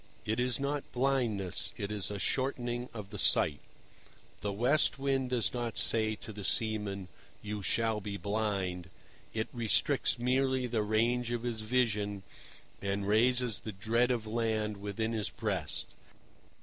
It is not blindness; it is a shortening of the sight. The West Wind does not say to the seaman, "You shall be blind"; it restricts merely the range of his vision and raises the dread of land within his breast.